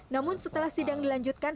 namun setelah sidang dilanjutkan